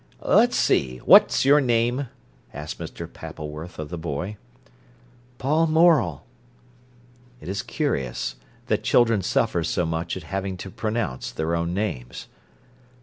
"Let's see, what's your name?" asked Mr. Pappleworth of the boy. "Paul Morel." It is curious that children suffer so much at having to pronounce their own names.